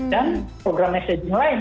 dan program messaging lain